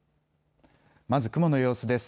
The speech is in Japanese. まず雲の様子です。